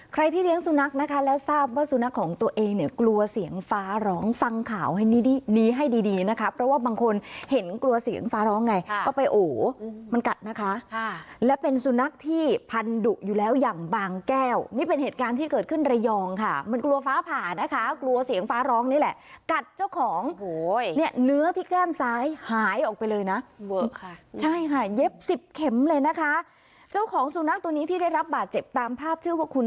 ใครที่เลี้ยงสุนัขนะคะแล้วทราบว่าสุนัขของตัวเองเนี่ยกลัวเสียงฟ้าร้องฟังข่าวให้นี้นี้นี้ให้ดีดีนะคะเพราะว่าบางคนเห็นกลัวเสียงฟ้าร้องไงก็ไปโหมันกัดนะคะค่ะแล้วเป็นสุนัขที่พันดุอยู่แล้วยังบางแก้วนี่เป็นเหตุการณ์ที่เกิดขึ้นระยองค่ะมันกลัวฟ้าผ่านะคะกลัวเสียงฟ้าร้องนี่แหละกัดเจ้าข